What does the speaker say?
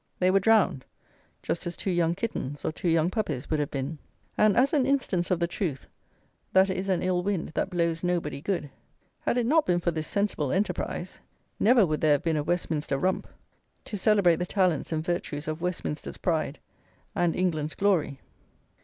They were drowned just as two young kittens or two young puppies would have been. And as an instance of the truth that it is an ill wind that blows nobody good, had it not been for this sensible enterprise, never would there have been a Westminster Rump to celebrate the talents and virtues of Westminster's Pride and England's Glory.